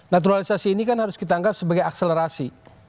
naturalisasi ini kan harus kita anggap sebagai akselerasi